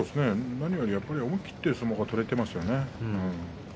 何より思い切って相撲が取れていますね。